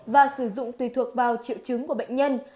và sử dụng tùy thuộc vào triệu chứng của bệnh nhân